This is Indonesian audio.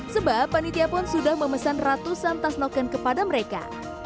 sebab panitia pun sudah memesan ratusan tas noken kepada mereka